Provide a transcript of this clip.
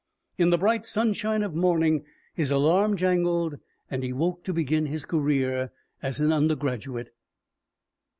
In the bright sunshine of morning his alarm jangled and he woke to begin his career as an undergraduate.